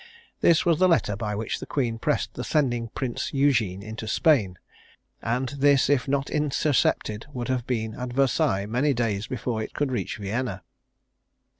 This was the letter by which the Queen pressed the sending Prince Eugene into Spain; and this, if not intercepted, would have been at Versailles many days before it could reach Vienna.